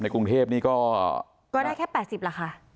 ในกรุงเทพนี่ก็ก็ได้แค่ประสิทธิ์สิบราคา